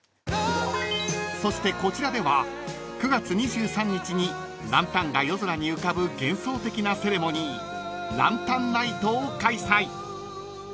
［そしてこちらでは９月２３日にランタンが夜空に浮かぶ幻想的なセレモニーランタンナイトを開催］